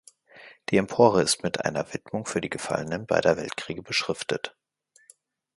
Die Empore ist mit einer Widmung für die Gefallenen beider Weltkriege beschriftet.